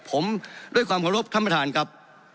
ผมด้วยความขอรบท่านประธานครับ